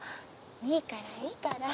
いいからいいから。